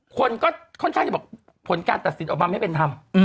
คนก็ค่อนข้างจะบอกผลการตัดสินออกมาไม่เป็นธรรม